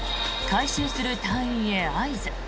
回収する隊員へ合図。